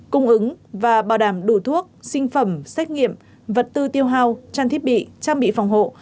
cung ứng và bảo đảm đủ thuốc sinh phẩm xét nghiệm vật tư tiêu hao trang thiết bị trang bị phòng hộ